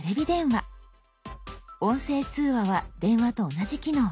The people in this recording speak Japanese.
「音声通話」は電話と同じ機能。